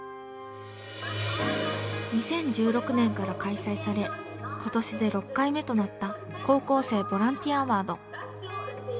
２０１６年から開催され今年で６回目となった高校生ボランティアアワード。